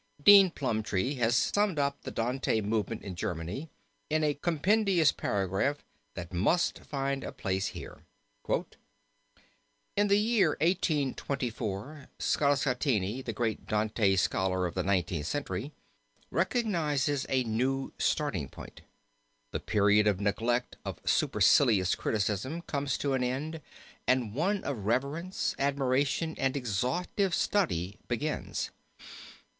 Dean Plumptre has summed up the Dante movement in Germany in a compendious paragraph that must find a place here. "In the year 1824, Scartazzini, the great Dante scholar of the Nineteenth Century, recognizes a new starting point. The period of neglect of supercilious criticism comes to an end, and one of reverence, admiration and exhaustive study begins.